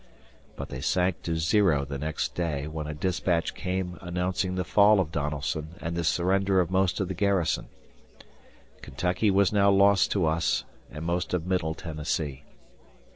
But they sank to zero the next day when a dispatch came announcing the fall of Donelson and the surrender of most of the garrison. Kentucky was now lost to us and most of middle Tennessee.